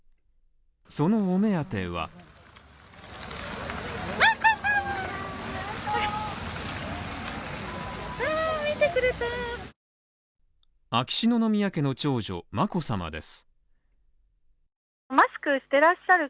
そのお目当ては秋篠宮家の長女眞子さまです。